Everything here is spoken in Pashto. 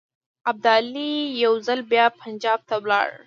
ابدالي یو ځل بیا پنجاب ته ولاړ.